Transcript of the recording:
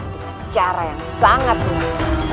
dengan cara yang sangat unik